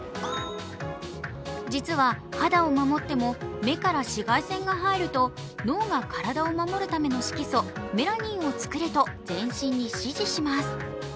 実は肌を守っても目から紫外線が入ると脳が体を守るための色素、メラニンを作れと全身に指示します。